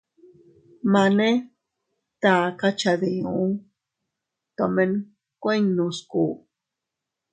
Mane taka cha diu, tomen kuinnu sku.